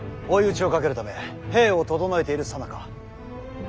追い打ちをかけるため兵を調えているさなか。